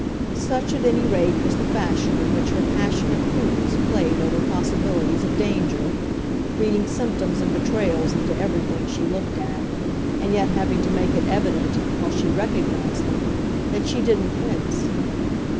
Such, at any rate, was the fashion in which her passionate prudence played over possibilities of danger, reading symptoms and betrayals into everything she looked at, and yet having to make it evident, while she recognised them, that she didn't wince.